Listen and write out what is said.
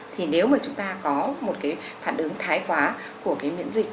thì nếu mà chúng ta có một cái phản ứng thái quá của cái miễn dịch